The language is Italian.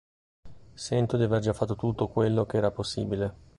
Sento di aver già fatto tutto quello che era possibile".